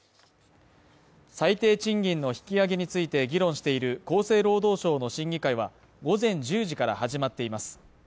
最低賃金の引き上げについて議論している厚生労働省の審議会は午前１０時から始まっています